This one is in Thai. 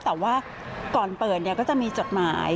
แต่ว่าก่อนเปิดก็จะมีจดหมาย